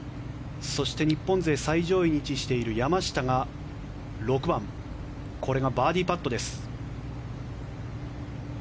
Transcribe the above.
そして、日本勢最上位に位置している山下が６番これがバーディーパットです。